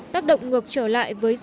tác động ngược trở lại với doanh thuế